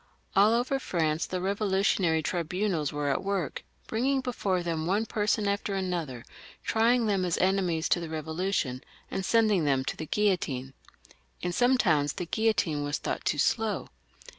All over France the KevOlutionary tribunals were at work, having up before them one person after another, trying them as enemies to the Eevolution, and sending them to the guillotine. In some towns the guillotine was thought too slow.